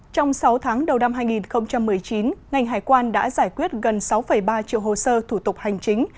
trong sáu tháng đầu năm hai nghìn một mươi chín ngành hải quan đã giải quyết gần sáu ba triệu hồ sơ thủ tục hành chính